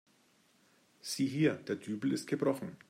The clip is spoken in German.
Sieh hier, der Dübel ist gebrochen.